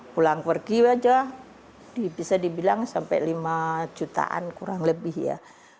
pulang pergi aja bisa dibilang sampai lima jutaan kurang lebih ya